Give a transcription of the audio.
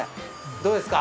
どうですか？